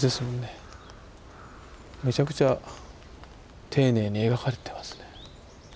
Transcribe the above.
めちゃくちゃ丁寧に描かれてますね。